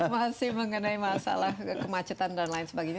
masih mengenai masalah kemacetan dan lain sebagainya